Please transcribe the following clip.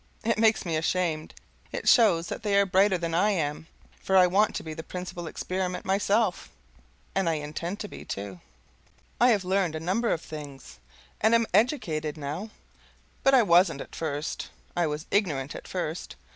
It makes me ashamed. It shows that they are brighter than I am, for I want to be the principal Experiment myself and I intend to be, too. I have learned a number of things, and am educated, now, but I wasn't at first. I was ignorant at first.